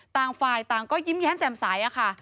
ต่างฝ่ายต่างก็ยิ้มแย้มแจ่มใสค่ะ